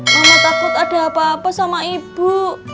mama takut ada apa apa sama ibu